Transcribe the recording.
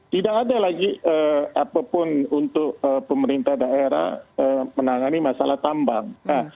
tidak ada lagi apapun untuk pemerintah daerah menangani masalah tambang